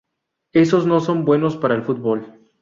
Esos no son buenos para el fútbol.